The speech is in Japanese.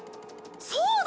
そうだ！